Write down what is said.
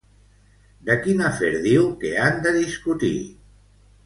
De quin afer diu que han de discutir?